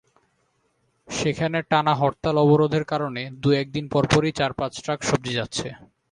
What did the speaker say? সেখানে টানা হরতাল-অবরোধের কারণে দু-এক দিন পরপরই চার-পাঁচ ট্রাক সবজি যাচ্ছে।